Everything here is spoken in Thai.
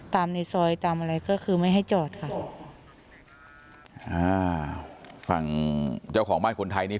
ในซอยตามอะไรก็คือไม่ให้จอดค่ะอ่าฝั่งเจ้าของบ้านคนไทยนี่